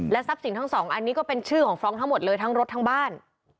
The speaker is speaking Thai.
ทรัพย์สินทั้งสองอันนี้ก็เป็นชื่อของฟรองก์ทั้งหมดเลยทั้งรถทั้งบ้าน